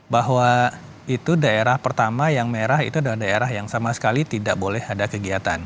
bahwa itu daerah pertama yang merah itu adalah daerah yang sama sekali tidak boleh ada kegiatan